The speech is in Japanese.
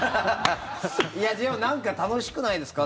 いやでも、楽しくないですか？